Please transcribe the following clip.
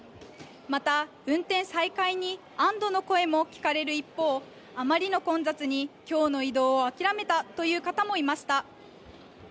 また、運転再開に安どの声も聞かれる一方、あまりの混雑にきょうの移動を諦めたという方もいました。